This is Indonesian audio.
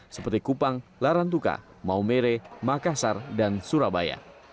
seperti kupang larantuka maumere makassar dan surabaya